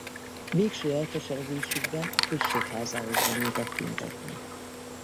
Végső elkeseredésükben a községházához vonultak tüntetni.